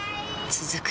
続く